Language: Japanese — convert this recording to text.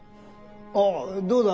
あどうだ？